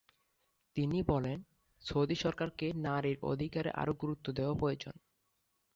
তিনি বলেন, সৌদি সরকারকে নারীর অধিকারে আরও গুরুত্ব দেয়া প্রয়োজন।